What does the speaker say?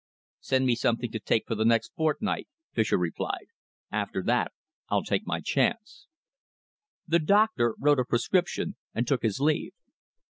"Send me something to take for the next fortnight," Fischer replied. "After that, I'll take my chance." The doctor wrote a prescription and took his leave.